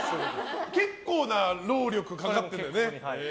結構な労力かかってるよね。